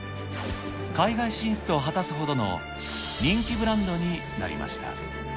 海外進出を果たすほどの人気ブランドになりました。